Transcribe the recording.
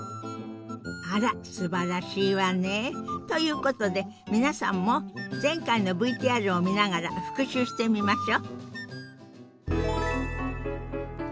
あらすばらしいわね。ということで皆さんも前回のＶＴＲを見ながら復習してみましょ。